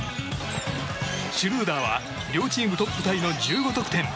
シュルーダーは両チームトップタイの１５得点。